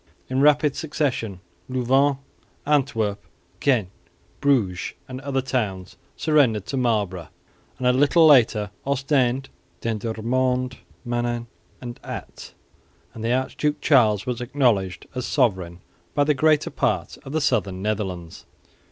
In rapid succession Louvain, Antwerp, Ghent, Bruges and other towns surrendered to Marlborough, and a little later Ostend, Dendermonde, Menin and Ath; and the Archduke Charles was acknowledged as sovereign by the greater part of the southern Netherlands.